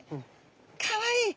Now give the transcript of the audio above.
かわいい。